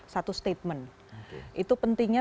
satu statement itu pentingnya